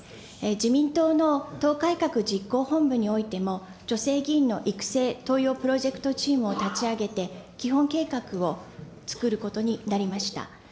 自民党の党改革実行本部においても、女性議員の育成登用プロジェクトチームを立ち上げて、基本計画をつくることになりました。